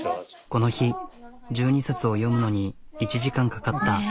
この日１２冊を読むのに１時間かかった。